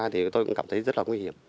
thì tôi cũng cảm thấy rất là nguy hiểm